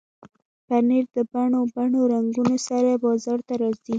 پنېر د بڼو بڼو رنګونو سره بازار ته راځي.